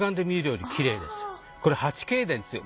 これ８Ｋですよ